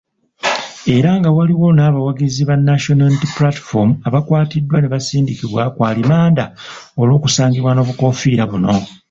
Era nga waliwo n'abawagizi ba National Unity Platform abaakwatiddwa nebasindikibwa ku alimanda olw'okusangibwa n'obukoofiira buno.